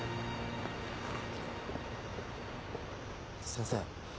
先生。